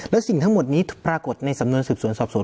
และสิ่งทั้งหมดนี้ปรากฏในสำนวนสืบสวนสอบสวน